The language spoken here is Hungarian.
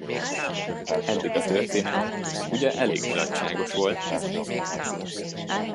Eddig a történet, ugye, elég mulatságos volt?